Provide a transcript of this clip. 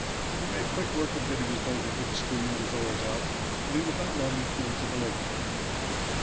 He made quick work of getting his boat into the stream and his oars out, and he was not long in pulling to the lake.